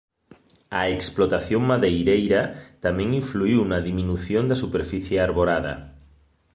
A explotación madeireira tamén influíu na diminución da superficie arborada.